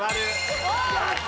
やった！